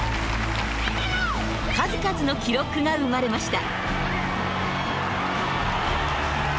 数々の記録が生まれました。